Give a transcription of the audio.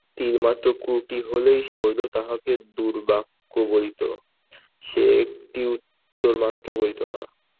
তিলমাত্র ত্রুটি হইলে শৈল তাহাকে দুর্বাক্য বলিত, সে একটি উত্তরমাত্র করিত না।